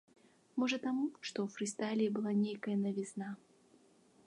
Можа таму, што ў фрыстайле была нейкая навізна.